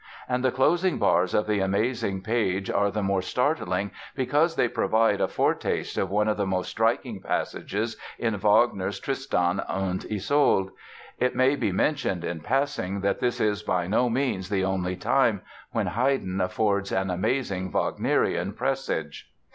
And the closing bars of the amazing page are the more startling because they provide a foretaste of one of the most striking passages in Wagner's "Tristan und Isolde". It may be mentioned, in passing, that this is by no means the only time when Haydn affords an amazing Wagnerian presage.